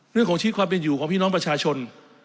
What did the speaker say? ชีวิตความเป็นอยู่ของพี่น้องประชาชน